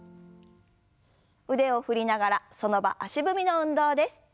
腕を振りながらその場足踏みの運動です。